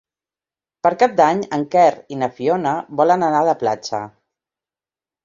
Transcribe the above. Per Cap d'Any en Quer i na Fiona volen anar a la platja.